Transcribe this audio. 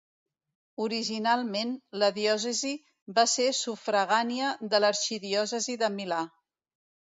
Originalment, la diòcesi va ser sufragània de l'arxidiòcesi de Milà.